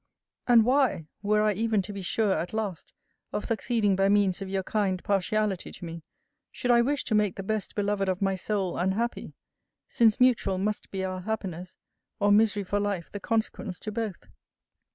And why, were I even to be sure, at last, of succeeding by means of your kind partiality to me, should I wish to make the best beloved of my soul unhappy; since mutual must be our happiness, or misery for life the consequence to both?